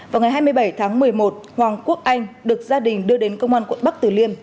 vào ngày hai mươi bảy tháng một mươi một hoàng quốc anh được gia đình đưa đến công an quận bắc tử liêm